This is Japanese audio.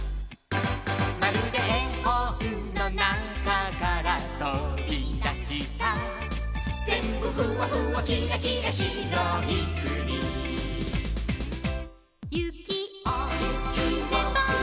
「まるでえほんのなかからとびだした」「ぜんぶふわふわきらきらしろいくに」「ゆきをふめば」